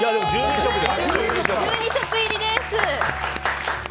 １２食入りです！